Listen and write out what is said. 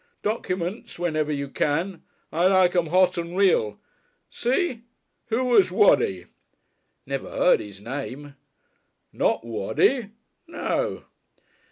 Documents whenever you can. I like 'em hot and real. See? Who was Waddy?" "Never heard his name." "Not Waddy?" "No!"